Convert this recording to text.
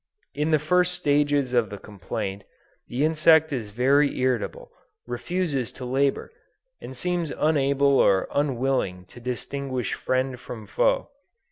In the first stages of this complaint the insect is very irritable, refuses to labor, and seems unable or unwilling to distinguish friend from foe.